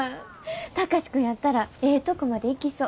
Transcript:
貴司君やったらええとこまでいきそう。